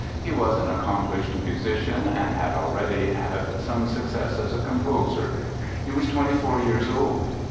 He was an accomplished musician, and had already had some success as a composer. He was twenty four years old.